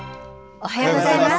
おはようございます。